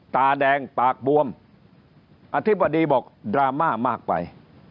ตาแดงปากบวมอธิบดีบอกดราม่ามากไป